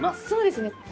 そうですね。